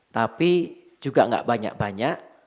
tapi juga nggak banyak banyak